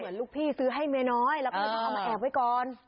เหมือนลูกพี่ซื้อให้เมียน้อยแล้วก็เอามาแอบไว้ก่อน